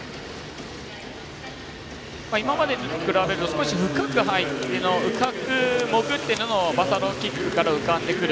今までと比べると少し深く入って深く潜ってのバサロキックから浮かんでくる。